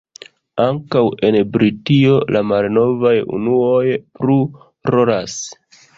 Ankaŭ en Britio la malnovaj unuoj plu rolas.